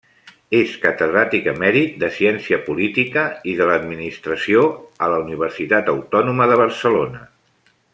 És catedràtic emèrit de ciència política i de l'administració a la Universitat Autònoma de Barcelona.